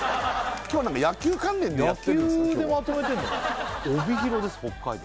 今日は何か野球関連でやってんですか？